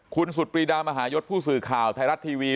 คุณสุดปรีดามหายศผู้สื่อข่าวไทยรัฐทีวี